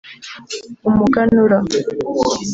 umuganura